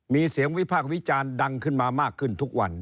มีเสียงวิพากษ์วิจารณ์ดังขึ้นมามากขึ้นทุกวัน